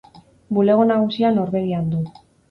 Bulego nagusia Norvegian du.